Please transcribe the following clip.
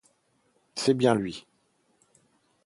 C’est bien lui